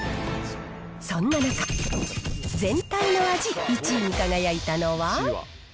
そんな中、全体の味１位に輝いたのは。